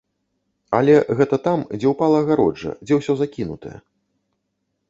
Але гэта там, дзе упала агароджа, дзе ўсё закінутае.